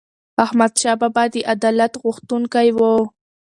احمدشاه بابا د عدالت غوښتونکی و.